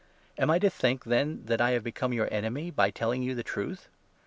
Am I to think, then, that I 16 have become your enemy by telling you the truth?